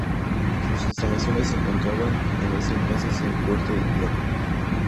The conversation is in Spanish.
Sus instalaciones se encontraban en ese entonces en Puerta de Tierra.